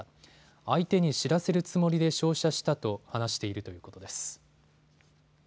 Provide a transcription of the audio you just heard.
相手に知らせるつもりで照射したと話しているということです。